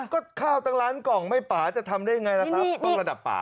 ก็ข้าวตั้งล้านกล่องไม่ป๋าจะทำได้ยังไงล่ะป๊า